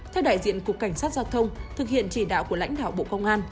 theo đại diện cục cảnh sát giao thông thực hiện chỉ đạo của lãnh đạo bộ công an